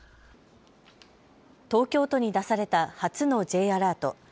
東京都に出された初のＪアラート。